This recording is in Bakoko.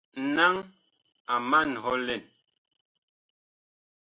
Naŋ a man hɔ lɛn.